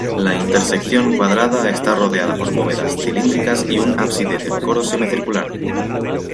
La intersección cuadrada está rodeada por bóvedas cilíndricas y un ábside del coro semicircular.